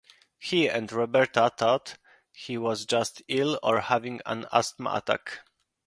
He and Roberta thought he was just ill or having an asthma attack.